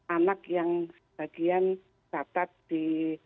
anak yang sebagian catat di